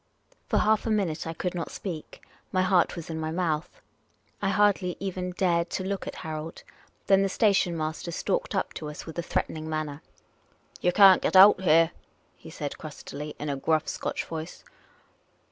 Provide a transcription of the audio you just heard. For half a minute I could not speak. My heart was in my mouth. I hardly even dared to look at Harold. Then the station master stalked up to us with a threatening manner. " You can't get out here," he said, crustily, in a gruff" Scotch voice.